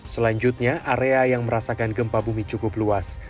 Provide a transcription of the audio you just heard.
selanjutnya area yang merasakan gempa bumi cukup luas